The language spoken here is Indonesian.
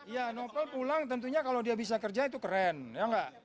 ya novel pulang tentunya kalau dia bisa kerja itu keren ya enggak